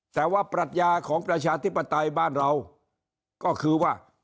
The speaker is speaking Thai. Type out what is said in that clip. แต่ว่าปรัชญาของประชาธิปไตยบ้านเราก็คือว่า